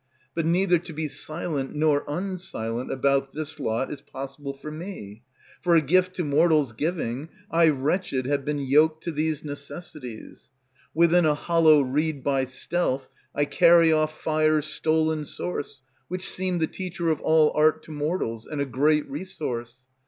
But neither to be silent nor unsilent about this Lot is possible for me; for a gift to mortals Giving, I wretched have been yoked to these necessities; Within a hollow reed by stealth I carry off fire's Stolen source, which seemed the teacher Of all art to mortals, and a great resource.